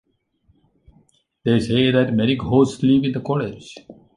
They say that many ghosts live in the college.